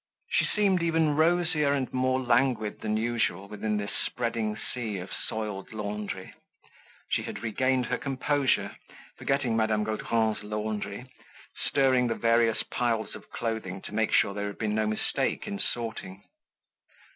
She seemed even rosier and more languid than usual within this spreading sea of soiled laundry. She had regained her composure, forgetting Madame Gaudron's laundry, stirring the various piles of clothing to make sure there had been no mistake in sorting.